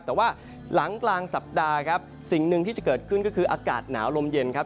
แต่ว่าหลังกลางสัปดาห์ครับสิ่งหนึ่งที่จะเกิดขึ้นก็คืออากาศหนาวลมเย็นครับ